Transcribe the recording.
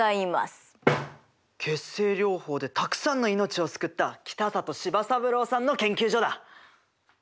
血清療法でたくさんの命を救った北里柴三郎さんの研究所だ！